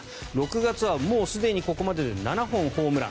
６月はもうすでにここまでで７本ホームラン。